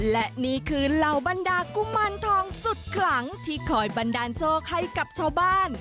และนี่คือเหล่าบรรดากุมารทองสุดขลังที่คอยบันดาลโชคให้กับชาวบ้าน